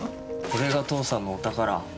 これが父さんのお宝。